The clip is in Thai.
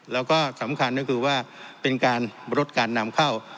แล้วก็สำคัญก็คือว่าเป็นการลดการนำเข้า